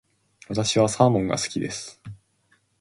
私はサーモンが好きです。